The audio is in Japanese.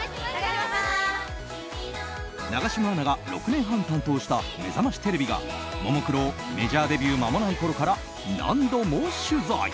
永島アナが６年半担当した「めざましテレビ」がももクロメジャーデビューまもないころから何度も取材。